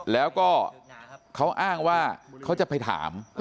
แล้วก็เขาอ้างว่าเขาจะไปถาม